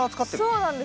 そうなんです。